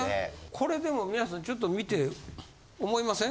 これでも皆さんちょっと見て思いません？